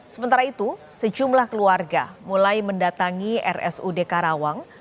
sementara itu sejumlah keluarga mulai mendatangi rsud karawang